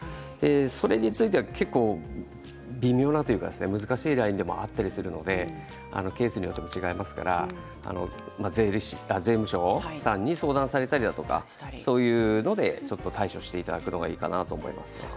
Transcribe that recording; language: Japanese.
それについては結構微妙なというか難しいラインだったりするのでケースによっても違いますので税務署さんに相談されたりとかそういうので対処していただくのがいいかなと思います。